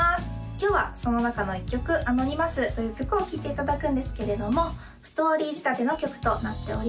今日はその中の１曲「Ａｎｏｎｙｍｏｕｓ」という曲を聴いていただくんですけれどもストーリー仕立ての曲となっております